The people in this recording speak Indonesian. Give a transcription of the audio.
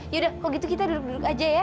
yaudah kalau gitu kita duduk duduk aja ya